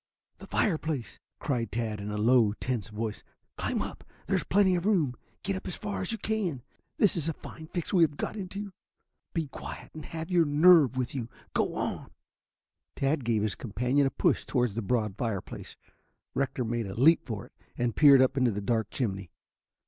"The fireplace," cried Tad in a low, tense voice. "Climb up! There's plenty of room. Get up as far as you can. This is a fine fix we have got into. Be quiet and have your nerve with you. Go on!" Tad gave his companion a push towards the broad fireplace. Rector made a leap for it, and peered up into the dark chimney.